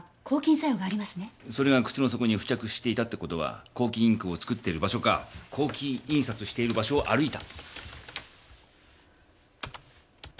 それが靴の底に付着していたってことは抗菌インクを作っている場所か抗菌印刷している場所を歩いた。